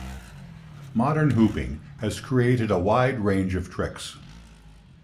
Modern hooping has created a wide range of tricks.